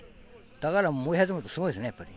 だから燃え始めたらすごいですね、やっぱり。